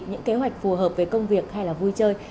những kế hoạch phù hợp với công việc hay là vui chơi